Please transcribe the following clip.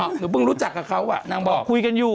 หนูเพิ่งรู้จักกับเขาอ่ะนางบอกคุยกันอยู่